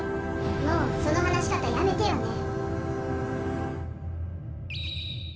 もうそのはなしかたやめてよね。